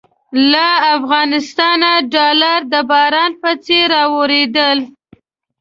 له افغانستانه ډالر د باران په څېر رااورېدل.